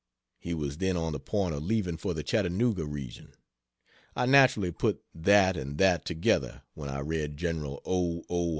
He was then on the point of leaving for the Chattanooga region. I naturally put "that and that together" when I read Gen. O. O.